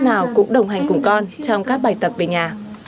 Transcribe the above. chị thương cũng đồng hành cùng con trong các bài tập về nhà